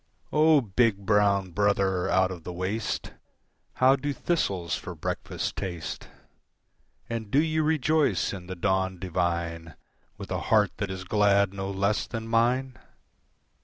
"O big, brown brother out of the waste, How do thistles for breakfast taste? "And do you rejoice in the dawn divine With a heart that is glad no less than mine?